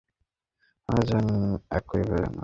আমরা দুজনই একই প্রজন্মের।